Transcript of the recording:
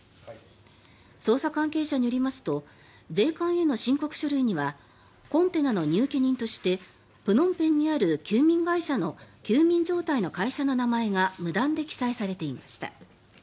捜査関係者によりますと税関への申告書類にはコンテナの荷受人としてプノンペンにある休眠会社の休眠状態の会社の名前が無断で記載されていました。